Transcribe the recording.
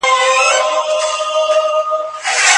ولي انسانان یو بل ته اړتیا لري؟